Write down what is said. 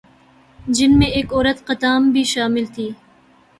"جن میں ایک عورت "قطام" بھی شامل تھی"